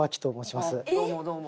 どうもどうも。